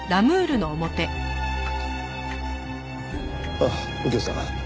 あっ右京さん。